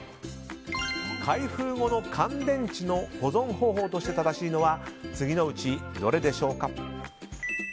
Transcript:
開封後の乾電池の保存方法として正しいのは次のうちどれでしょうか。